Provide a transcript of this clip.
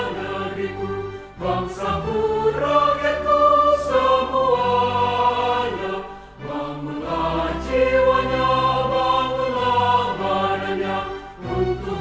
hadirin dimohon berdiri